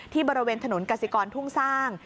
บริเวณถนนกสิกรทุ่งสร้าง